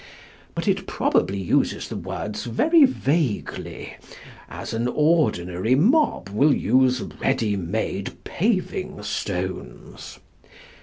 But it probably uses the words very vaguely, as an ordinary mob will use ready made paving stones.